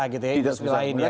tidak sebesar mereka